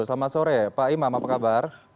selamat sore pak imam apa kabar